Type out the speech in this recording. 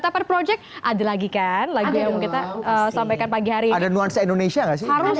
tapan project ada lagi kan lagi yang kita sampaikan pagi hari ada luar indonesia harus